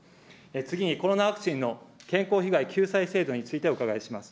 次にコロナワクチンの健康被害救済制度についてお伺いします。